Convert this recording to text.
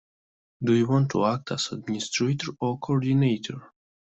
Do you want to act as administrator or coordinator?